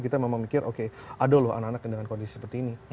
kita memang mikir oke ada loh anak anak dengan kondisi seperti ini